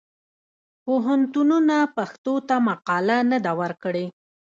پوهنتونونه پښتو ته مقاله نه ده ورکړې.